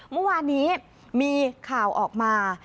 เมื่อวานนี้มีข่าวออกมา